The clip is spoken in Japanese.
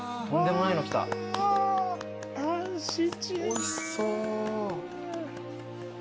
おいしそう。